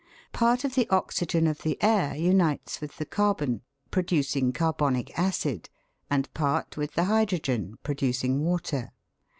Part of the oxygen of the air unites with the car bon, producing carbonic acid, and part with the hydrogen producing water.